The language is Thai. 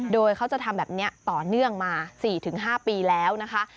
โดยเขาจะทำแบบนี้ต่อเนื่องมา๔๕ปีแล้วนะคะ